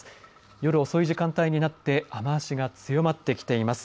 夜遅い時間帯になって雨足が強まってきています。